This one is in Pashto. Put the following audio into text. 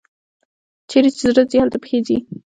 چیري چي زړه ځي، هلته پښې ځي.